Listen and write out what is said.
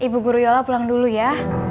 ibu guru yola pulang dulu ya